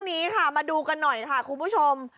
ข้างนี้ค่ะมาดูกันหน่อยคุณผู้ชม